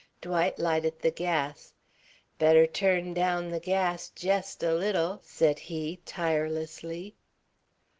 Dwight lighted the gas. "Better turn down the gas jest a little," said he, tirelessly.